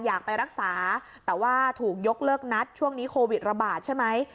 อยากไปรักษาแต่ว่าถูกยกเลิกนัดช่วงนี้โควิดระบาดใช่ไหม